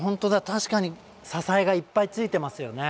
確かに支えがいっぱいついてますよね。